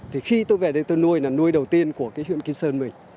thì khi tôi về đây tôi nuôi là nuôi đầu tiên của cái huyện kim sơn mình